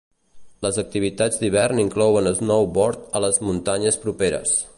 Les activitats d'hivern inclouen snowboard a les muntanyes properes.